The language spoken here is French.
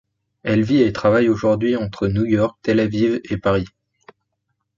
Elle vit et travaille aujourd'hui entre New York, Tel Aviv et Paris.